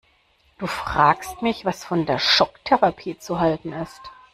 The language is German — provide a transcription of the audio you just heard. Du fragst mich, was von der Schocktherapie zu halten ist?